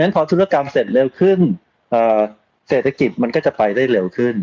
พอธุรกรรมเสร็จเร็วขึ้นเศรษฐกิจมันก็จะไปได้เร็วขึ้น